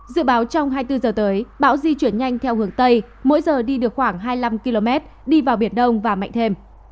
dự báo trong hai mươi bốn h tới bão di chuyển nhanh theo hướng tây mỗi giờ đi được khoảng hai mươi năm km đi vào biển đông và mạnh thêm